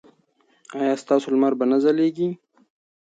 ایا ستاسو لمر به نه ځلیږي؟